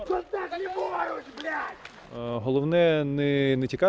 yang penting bukan untuk menyerah dari mereka